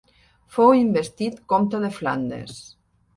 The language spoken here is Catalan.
Fou investit comte de Flandes.